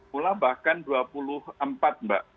pula bahkan dua puluh empat mbak